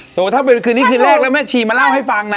โฮถ้าก็เป็นผมเกิดคืนนี้เคยเรียกนะแม่ชีมาเล่าให้ฟังนะ